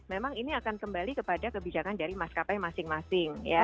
memang ini akan kembali kepada kebijakan dari maskapai masing masing